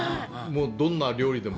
どんな料理でも。